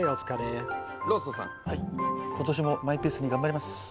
今年もマイペースに頑張ります。